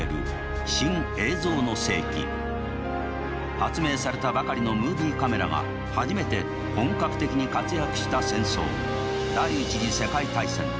発明されたばかりのムービーカメラが初めて本格的に活躍した戦争第一次世界大戦。